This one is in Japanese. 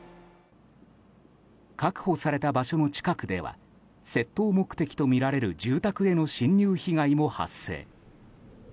確保された場所の近くでは窃盗目的とみられる住宅への侵入被害も発生。